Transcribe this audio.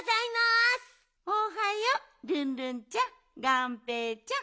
おはようルンルンちゃんがんぺーちゃん。